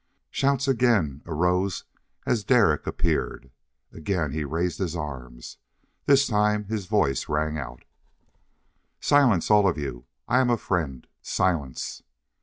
Shouts again arose as Derek appeared. Again he raised his arms. This time his voice rang out. "Silence all of you! I am a friend! Silence!"